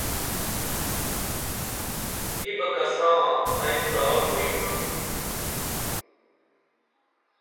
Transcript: نی بہ کساں ائی څار کُریمہ